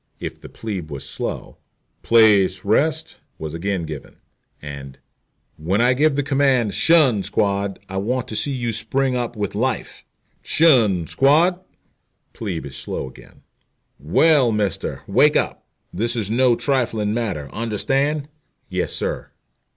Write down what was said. If the plebe was slow, "place, rest" was again given, and "When I give the command ''tion, squad,' I want to see you spring up with life." "'Tion, squad!" Plebe is slow again. "Well, mister, wake up. This is no trifling matter. Understand?" "Yes, sir."